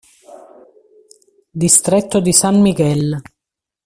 Distretto di San Miguel